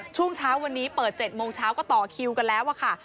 ช่วงเช้าวันนี้เปิด๗โมงเช้าก็ต่อคิวกันแล้วค่ะ